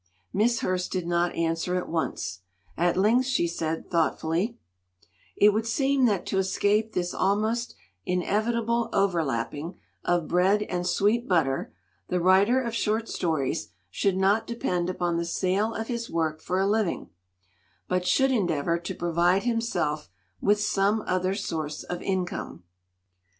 Miss Hurst did not answer at once. At length she said, thoughtfully: "It would seem that to escape this almost in 242 "CHOCOLATE FUDGE' evitable overlapping of bread and sweet butter the writer of short stories should not depend upon the sale of his work for a living, but should en deavor to provide himself with some other source of income.